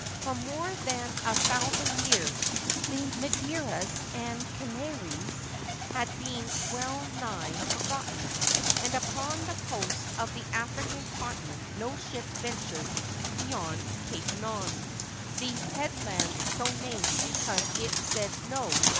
For more than a thousand years the Madeiras and Canaries had been well nigh forgotten, and upon the coast of the African continent no ship ventured beyond Cape Non, the head land so named because it said "No!"